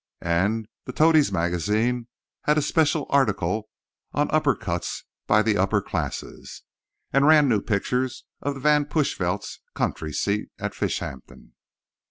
And the Toadies' Magazine had a special article on Upper Cuts by the Upper Classes, and ran new pictures of the Van Plushvelt country seat, at Fishampton.